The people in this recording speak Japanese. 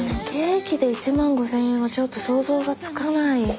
ケーキで１万５、０００円はちょっと想像がつかない。